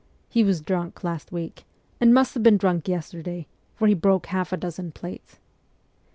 He was drunk last week, and must have been drunk yesterday, for he broke half a dozen plates.